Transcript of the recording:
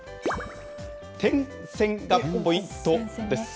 点線がポイントです。